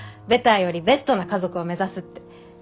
ベターよりベストな家族を目指すって。